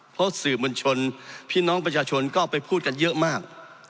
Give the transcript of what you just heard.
เพราะสื่อมวลชนพี่น้องประชาชนก็ไปพูดกันเยอะมาก